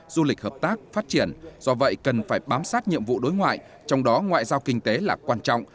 du lịch hợp tác phát triển do vậy cần phải bám sát nhiệm vụ đối ngoại trong đó ngoại giao kinh tế là quan trọng